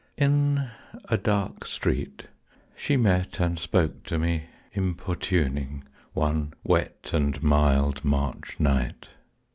In a dark street she met and spoke to me, Importuning, one wet and mild March night.